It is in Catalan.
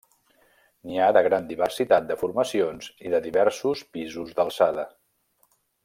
N'hi ha de gran diversitat de formacions i de diversos pisos d'alçada.